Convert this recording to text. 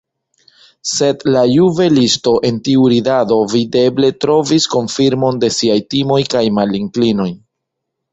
Sed la juvelisto en tiu ridado videble trovis konfirmon de siaj timoj kaj malinklinoj.